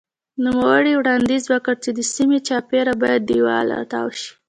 نوموړي وړاندیز وکړ چې د سیمې چاپېره باید دېوال راتاو شي.